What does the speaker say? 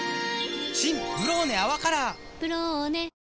新「ブローネ泡カラー」「ブローネ」